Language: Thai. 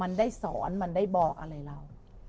มันได้สอนมันได้บอกอะไรเรา